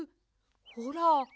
ほら。